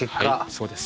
そうです。